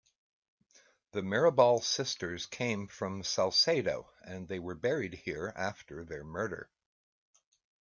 The Mirabal sisters came from Salcedo and they were buried here after their murder.